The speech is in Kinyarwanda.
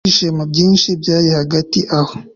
ibyishimo byinshi byari hagati aho